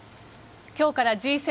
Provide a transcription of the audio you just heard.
今日からＧ７・